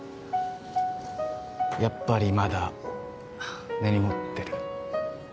やっぱりまだ根に持ってる？